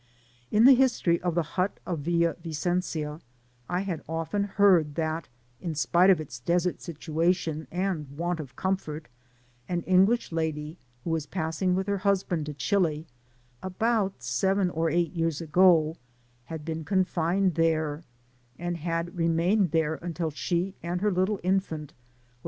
In the history of the hut of Villa Vicencia I had often heard that, in spite of its desert situation and want of comfort, an English lady, who was passing with her husband to Chili about seven or eight years ago, had been confined there, and had re mained in the hut until she and her little infant were Digitized byGoogk THE GREAT CORDILLERA.